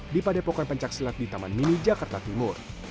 di padepokan pencak silat di taman mini jakarta timur